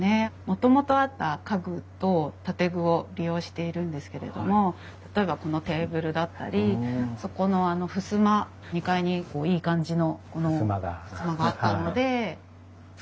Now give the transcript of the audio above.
もともとあった家具と建具を利用しているんですけれども例えばこのテーブルだったりそこのふすま２階にいい感じのふすまがあったので使いました。